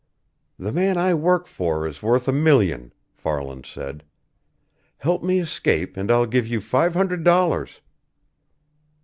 "The man I work for is worth a million," Farland said. "Help me escape, and I'll give you five hundred dollars."